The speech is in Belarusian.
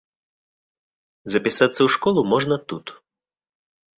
Запісацца ў школу можна тут.